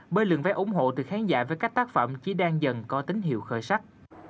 bởi lượng vé ủng hộ từ khán giả với các tác phẩm chỉ đang dần có tín hiệu khởi sắc